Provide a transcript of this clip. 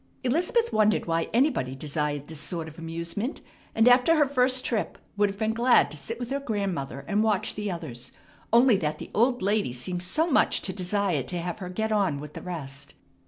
Elizabeth wondered why anybody desired this sort of amusement, and after her first trip would have been glad to sit with her grandmother and watch the others, only that the old lady seemed so much to desire to have her get on with the rest.